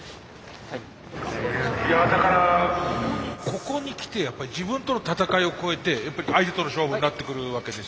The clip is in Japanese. ここにきてやっぱり自分との闘いを超えて相手との勝負になってくるわけですよね。